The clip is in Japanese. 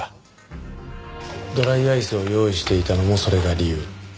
ドライアイスを用意していたのもそれが理由。